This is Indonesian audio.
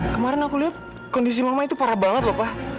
kemaren aku liat kondisi mama itu parah banget loh pa